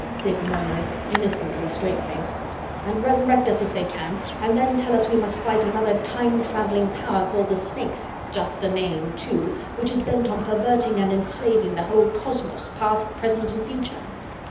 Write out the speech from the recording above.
Sid murmured, innocently straight faced. " and Resurrect us if they can and then tell us we must fight another time traveling power called the Snakes just a name, too which is bent on perverting and enslaving the whole cosmos, past, present and future."